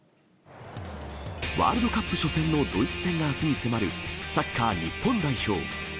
ワールドカップ初戦のドイツ戦があすに迫る、サッカー日本代表。